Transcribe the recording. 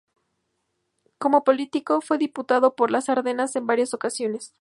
Como político, fue diputado por las Ardenas en varias ocasiones.